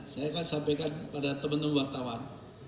saya akan sampaikan pada teman teman wartawan